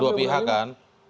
dua pihak kan